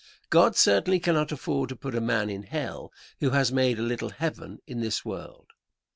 God certainly cannot afford to put a man in hell who has made a little heaven in this world.